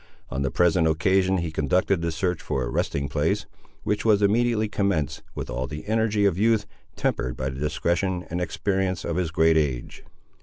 On the present occasion he conducted the search for a resting place, which was immediately commenced, with all the energy of youth, tempered by the discretion and experience of his great age.